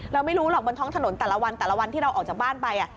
เราไม่รู้หรอกบนท้องถนนแต่ละวันแต่ละวันที่เราออกจากบ้านไป